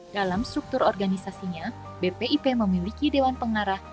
dalam struktur organisasinya bpip memiliki dewan pengarah